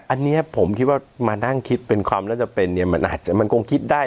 อันนี้ผมคิดว่ามานั่งคิดเป็นความน่าจะเป็นมันคงคิดได้